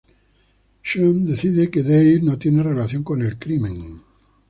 Sean decide que Dave no tiene relación con el crimen.